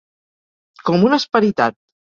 Com un esperitat.